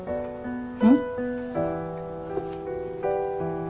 うん？